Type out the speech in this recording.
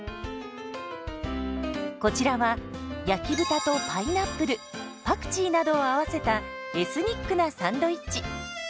こちらは焼き豚とパイナップルパクチーなどを合わせたエスニックなサンドイッチ。